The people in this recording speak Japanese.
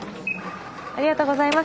ありがとうございます。